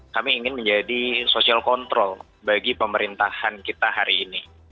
kami ingin menjadi social control bagi pemerintahan kita hari ini